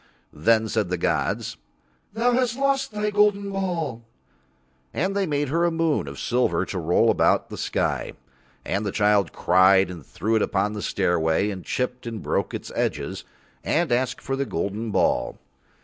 Then said the gods: "Thou hast lost thy golden ball," and They made her a moon of silver to roll about the sky. And the child cried and threw it upon the stairway and chipped and broke its edges and asked for the golden ball.